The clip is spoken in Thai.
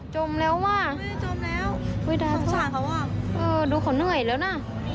จมแล้วอ่ะจมแล้วดูขนเหนื่อยแล้วน่ะ